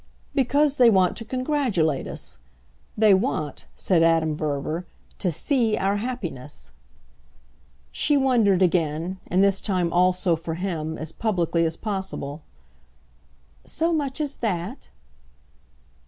"Because they want to congratulate us. They want," said Adam Verver, "to SEE our happiness." She wondered again and this time also, for him, as publicly as possible. "So much as that?"